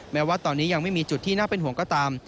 แม้ว่าตอนนี้ยังไม่มีจุดที่น่าเป็นห่วงก็ตาม